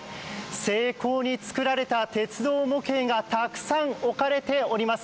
精巧に作られた鉄道模型がたくさん置かれています。